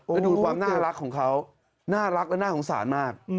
แล้วดูความน่ารักของเขาน่ารักและน่าสงสารมาก